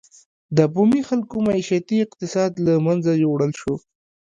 د بومي خلکو معیشتي اقتصاد له منځه یووړل شو.